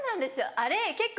あれ結構。